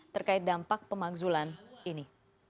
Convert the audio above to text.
terkait dampak pemakzulan ini